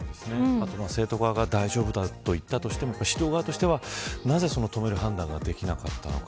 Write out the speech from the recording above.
生徒側が大丈夫だと言ったとしても指導者側としてはなぜ止める判断ができなかったのか